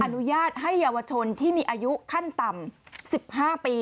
อนุญาตให้เยาวชนที่มีอายุขั้นต่ำ๑๕ปี